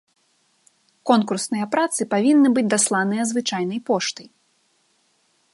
Конкурсныя працы павінны быць дасланыя звычайнай поштай.